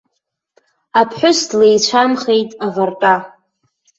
Аԥҳәыс длеицәамхеит авартәа.